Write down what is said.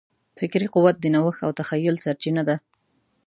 فکري قوت د نوښت او تخیل سرچینه ده.